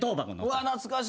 うわ懐かしい。